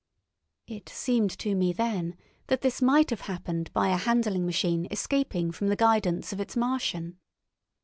It seemed to me then that this might have happened by a handling machine escaping from the guidance of its Martian.